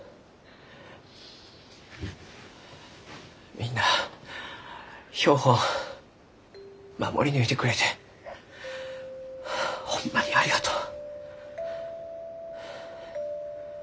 みんな標本守り抜いてくれてホンマにありがとう。